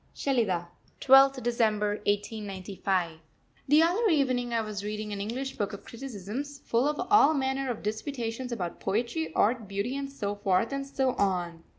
SHELIDAH, 12th December 1895. The other evening I was reading an English book of criticisms, full of all manner of disputations about Poetry, Art, Beauty, and so forth and so on.